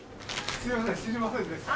すいません知りませんでした。